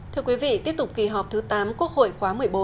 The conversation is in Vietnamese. thưa quý vị tiếp tục kỳ họp thứ tám quốc hội khóa một mươi bốn